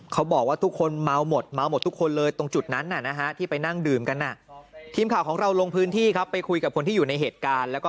เขาบอกว่าทุกคนเมาหมดเมาหมดทุกคนเลยตรงจุดนั้นที่ไปนั่งดื่มกันทีมข่าวของเราลงพื้นที่ครับไปคุยกับคนที่อยู่ในเหตุการณ์แล้วก็